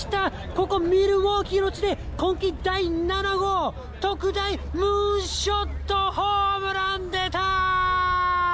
ここミルウォーキーの地で、今季第７号、特大ムーンショットホームラン出たー！